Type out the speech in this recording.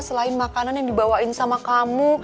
selain makanan yang dibawain sama kamu